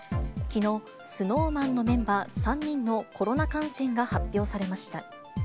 きのう、ＳｎｏｗＭａｎのメンバー３人のコロナ感染が発表されました。